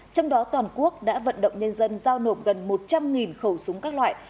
trong đó toàn quốc đã vận động nhân dân giao nộp gần một trăm linh khẩu súng các loại